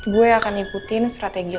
gue akan ikutin strategi lo